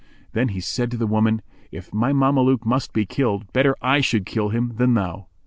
Then he said to the woman, "If my Mameluke must be killed, better I should kill him than thou."